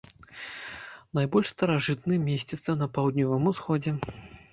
Найбольш старажытны месціцца на паўднёвым усходзе.